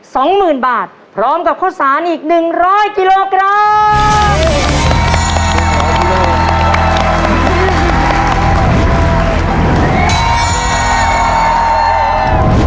สองหมื่นบาทพร้อมกับข้าวสารอีกหนึ่งร้อยกิโลกรัม